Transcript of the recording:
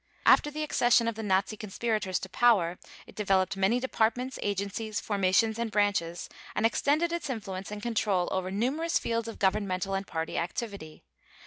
After the accession of the Nazi conspirators to power, it developed many departments, agencies, formations, and branches and extended its influence and control over numerous fields of Governmental and Party activity.